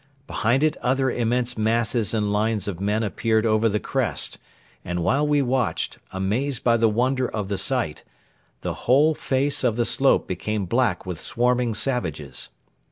Behind it other immense masses and lines of men appeared over the crest; and while we watched, amazed by the wonder of the sight, the whole face of the slope became black with swarming savages.